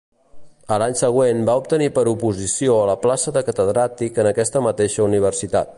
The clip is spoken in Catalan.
A l'any següent va obtenir per oposició la plaça de catedràtic en aquesta mateixa universitat.